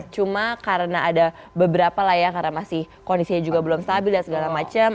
cuma karena ada beberapa lah ya karena masih kondisinya juga belum stabil dan segala macam